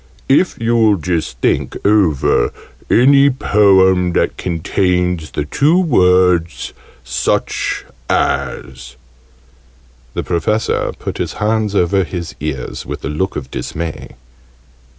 "If you'll just think over any Poem that contains the two words such as " The Professor put his hands over his ears, with a look of dismay.